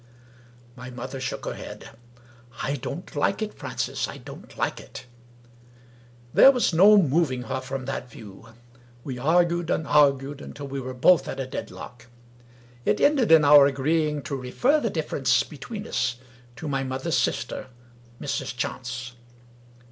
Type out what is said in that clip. My mother shook her head. " I don't like it, Francis — I don't like it !" There was no moving her from that view. We argued and argued, until we were both at a deadlock. It ended in our agreeing to refer the difference between us to my mother's sister, Mrs. Chance.